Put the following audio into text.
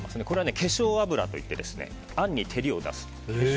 これは化粧油といってあんに照りを出す。